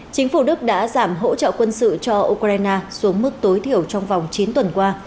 chính phủ đức đã giảm hỗ trợ quân sự cho ukraine xuống mức tối thiểu trong vòng chín tuần qua